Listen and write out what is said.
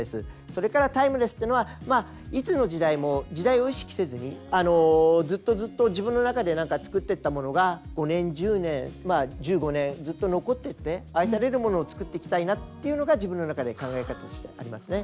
それからタイムレスっていうのはいつの時代も時代を意識せずにずっとずっと自分の中で何か作ってった物が５年１０年まあ１５年ずっと残ってって愛される物を作っていきたいなっていうのが自分の中で考え方としてありますね。